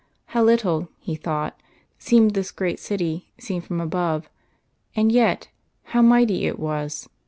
How little, he thought, seemed this great city seen from above; and yet, how mighty it was!